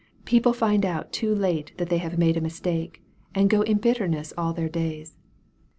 People find out too late that they have made a mistake, and go in bit terness all their days.